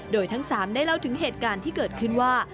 โดยทั้ง๓ได้เล่าถึงเหตุการณ์ที่เกิดขึ้นว่า